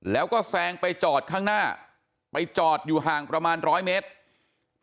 แล้วก็แซงไปจอดข้างหน้าไปจอดอยู่ห่างประมาณร้อยเมตร